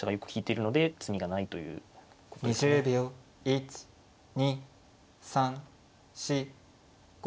１２３４５。